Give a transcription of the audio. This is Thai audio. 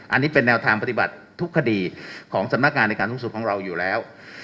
อันนี้เป็นแนวทางปฏิบัติทุกคดีของสำนักงานในการสูงสุดของเราอยู่แล้ว